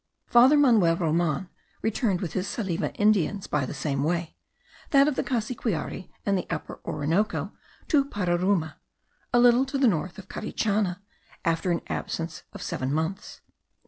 Father Manuel Roman returned with his Salive Indians by the same way, that of the Cassiquiare and the Upper Orinoco, to Pararuma,* a little to the north of Carichana, after an absence of seven months.